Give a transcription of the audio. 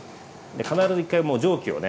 必ず１回もう蒸気をね